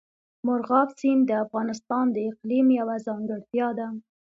مورغاب سیند د افغانستان د اقلیم یوه ځانګړتیا ده.